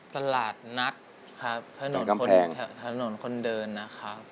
ทั่นกลางแผง